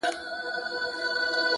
لونگينه څڼوره; مروره;